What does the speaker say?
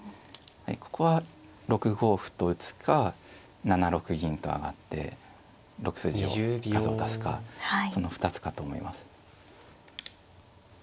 ここは６五歩と打つか７六銀と上がって６筋を数を足すかその２つかと思います。